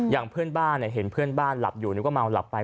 เพื่อนบ้านเห็นเพื่อนบ้านหลับอยู่ก็เมาหลับไป